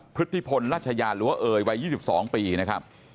ฤทธิพลรัชยาหรือว่าเอยวัย๒๒ปีนะครับ